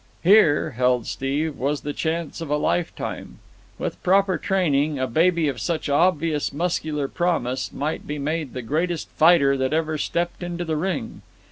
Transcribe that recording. Here, held Steve, was the chance of a lifetime. With proper training, a baby of such obvious muscular promise might be made the greatest fighter that ever stepped into the ring.